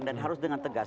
dan harus dengan tegas